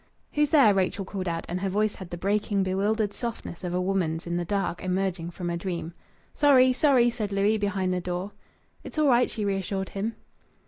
"Who's there?" Rachel called out, and her voice had the breaking, bewildered softness of a woman's in the dark, emerging from a dream. "Sorry! Sorry!" said Louis, behind the door. "It's all right," she reassured him.